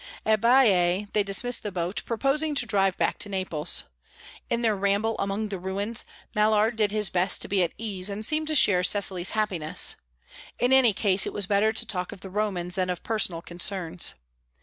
At Baiae they dismissed the boat, purposing to drive back to Naples. In their ramble among the ruins, Mallard did his best to be at ease and seem to share Cecily's happiness; in any case, it was better to talk of the Romans than of personal concerns.